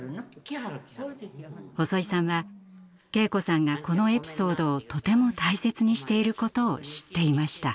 細井さんは敬子さんがこのエピソードをとても大切にしていることを知っていました。